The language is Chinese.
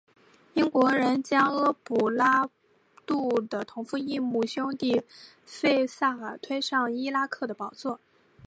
英国人将阿卜杜拉的同父异母兄弟费萨尔推上伊拉克的王座。